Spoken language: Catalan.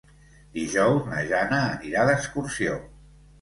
Dijous na Jana anirà d'excursió.